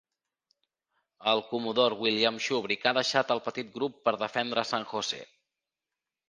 El comodor William Shubrick ha deixat el petit grup per defendre San José.